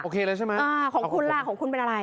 ของคุณล่ะของคุณเป็นอะไร